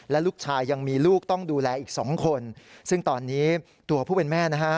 และลูกชายยังมีลูกต้องดูแลอีกสองคนซึ่งตอนนี้ตัวผู้เป็นแม่นะฮะ